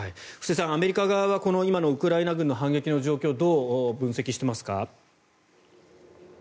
布施さん、アメリカ側は今のウクライナ軍の反撃の状況をどう分析していますか？